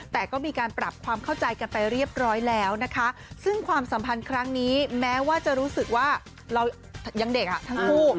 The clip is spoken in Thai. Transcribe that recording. แต่ก็มีการปรับความเข้าใจกันไปเรียบร้อยแล้วนะคะซึ่งความสัมพันธ์ครั้งนี้แม้ว่าจะรู้สึกว่าเรายังเด็กอ่ะทั้งคู่